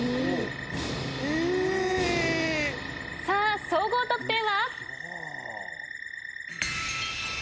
さあ総合得点は。